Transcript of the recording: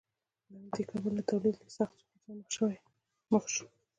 له همدې کبله تولید له سخت سقوط سره مخ شو.